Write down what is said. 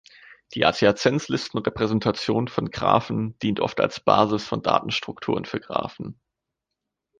Die Adjazenzlisten-Repräsentation von Graphen dient oft als Basis von Datenstrukturen für Graphen.